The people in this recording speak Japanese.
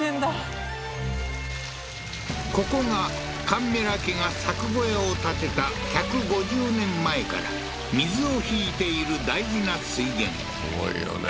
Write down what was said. ここが上米良家が作小屋を建てた１５０年前から水を引いている大事な水源すごいよね